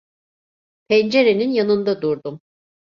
Pencerenin yanında durdum.